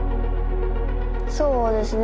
そうですね